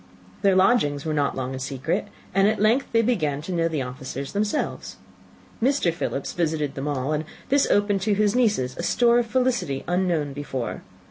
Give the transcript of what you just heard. Their lodgings were not long a secret, and at length they began to know the officers themselves. Mr. Philips visited them all, and this opened to his nieces a source of felicity unknown before.